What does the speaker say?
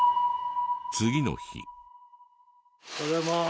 おはようございます。